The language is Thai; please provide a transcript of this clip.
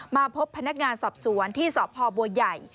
มาพบพนักงานสอบสวนที่สพบัวใหญ่